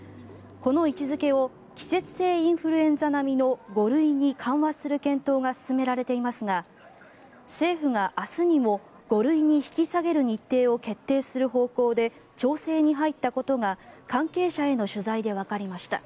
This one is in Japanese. この位置付けを季節性インフルエンザ並みの５類に緩和する検討が進められていますが政府が明日にも５類に引き下げる日程を決定する方向で調整に入ったことが関係者への取材でわかりました。